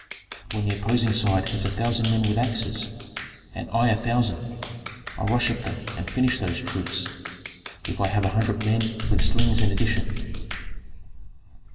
When the opposing side has a thousand men with axes, and I a thousand, I rush at them and finish those troops, if I have a hundred men with slings in addition.